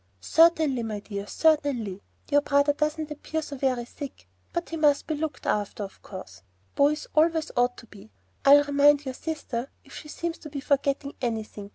"Certainly, my dear, certainly. Your brother doesn't appear so very sick; but he must be looked after, of course. Boys always ought to be. I'll remind your sister if she seems to be forgetting anything.